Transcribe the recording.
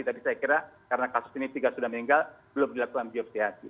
tapi saya kira karena kasus ini tiga sudah meninggal belum dilakukan biopsiasi